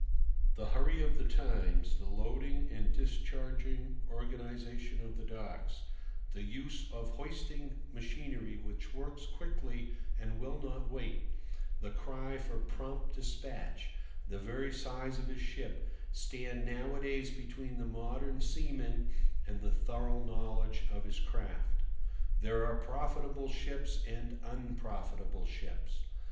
The hurry of the times, the loading and discharging organization of the docks, the use of hoisting machinery which works quickly and will not wait, the cry for prompt despatch, the very size of his ship, stand nowadays between the modern seaman and the thorough knowledge of his craft. There are profitable ships and unprofitable ships.